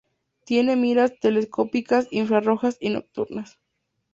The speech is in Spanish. Tiene miras telescópicas infrarrojas y nocturnas.